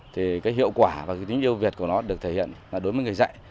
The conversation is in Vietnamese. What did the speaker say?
thì cái hiệu quả và cái tính yêu việt của nó được thể hiện là đối với người dạy